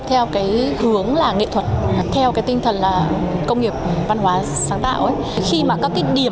theo hướng nghệ thuật theo tinh thần công nghiệp văn hóa sáng tạo